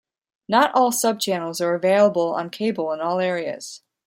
Not all subchannels are available on cable in all areas.